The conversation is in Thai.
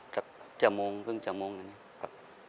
จากเจ้าโมงครึ่งเจ้าโมงนั่นเนี่ย